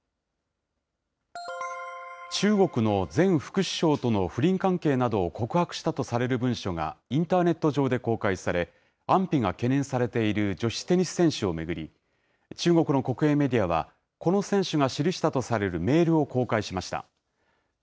中国の前副首相との不倫関係などを告白したとされる文書がインターネット上で公開され、安否が懸念されている女子テニス選手を巡り、中国の国営メディアは、この選手が記したとされるメールを公開しました。